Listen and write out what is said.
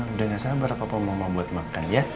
udah gak sabar papa mama buat makan ya